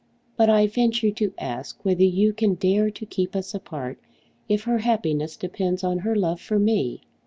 But I venture to ask whether you can dare to keep us apart if her happiness depends on her love for me?